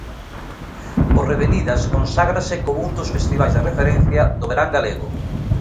O Revenidas conságrase como un dos festivais de referencia do verán galego.